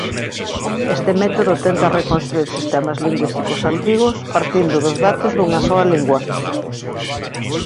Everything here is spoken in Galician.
Este método tenta reconstruír sistemas lingüísticos antigos partindo dos datos dunha soa lingua.